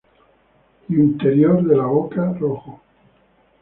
Interior de la boca rojo.